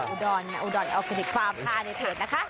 อุดอลอุดอลเอาผิดความภาในเถอะนะคะ